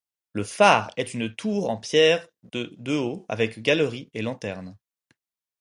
Le phare est une tour en pierre de de haut, avec galerie et lanterne.